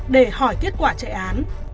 để hỏi kết quả chạy án